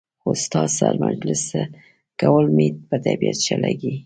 خو ستا سره مجلس کول مې په طبیعت ښه لګي.